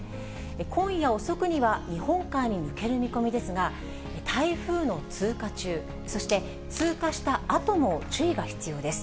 今夜遅くには日本海に抜ける見込みですが、台風の通過中、そして通過したあとも注意が必要です。